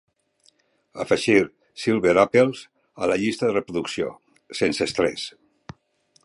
Afegir Silver Apples a la llista de reproducció: Sense estrès.